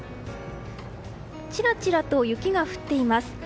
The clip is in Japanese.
ちらちらと雪が降っています。